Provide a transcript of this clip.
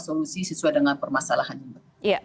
solusi sesuai dengan permasalahan